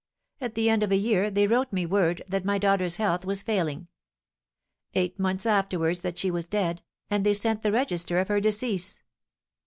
At the end of a year they wrote me word that my daughter's health was failing, eight months afterwards that she was dead, and they sent the register of her decease.